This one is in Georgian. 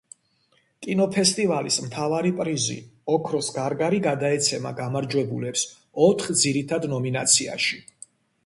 კინოფესტივალის მთავარი პრიზი, ოქროს გარგარი გადაეცემა გამარჯვებულებს ოთხ ძირითადი ნომინაციაში.